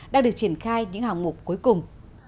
đang được triển khai những hạng mục cuối cùng